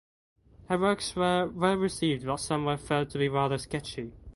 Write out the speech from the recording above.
Her works were well received but some were felt to be rather sketchy.